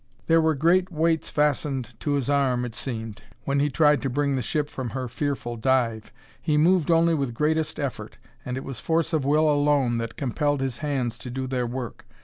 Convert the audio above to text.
There were great weights fastened to his arm, it seemed, when he tried to bring the ship from her fearful dive. He moved only with greatest effort, and it was force of will alone that compelled his hands to do their work.